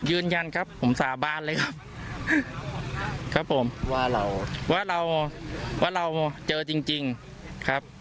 ยืนยันครับผมสาบานเลยครับครับผมว่าเราว่าเราว่าเราเจอจริงจริงครับ